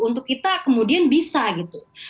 untuk kita kemudian bisa gitu